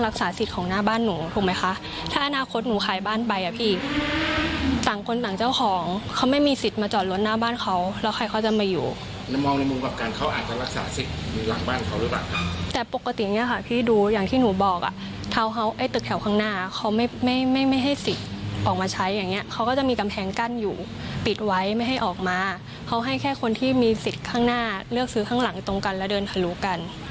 เขาให้แค่คนที่มีสิทธิ์ข้างหน้าเลือกซื้อข้างหลังตรงกันและเดินทะลุกัน